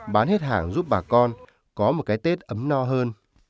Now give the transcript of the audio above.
bán hết hàng giúp bà con có một cái tết ấm no hơn